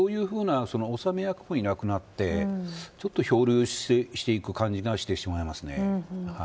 そういうふうな収め役がいなくなってちょっと漂流していく感じがしてしまいます。